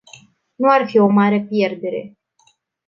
Nu ar fi o mare pierdere.